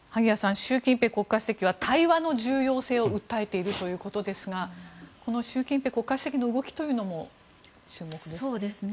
習近平国家主席は対話の重要性を訴えているということですがこの習近平国家主席の動きというのも注目です。